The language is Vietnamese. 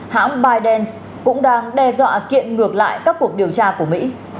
hãng bytedance cũng đang đe dọa kiện ngược lại các cuộc điều tra của mỹ